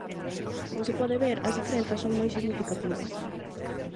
Como se pode ver, as diferenzas son moi significativas.